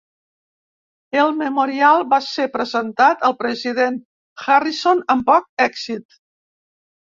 El Memorial va ser presentat al President Harrison amb poc èxit.